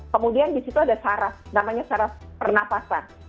kemudian di situ ada sarras namanya sarras pernafasan